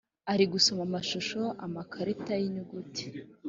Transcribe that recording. ari gusoma amashusho, amakarita y’inyuguti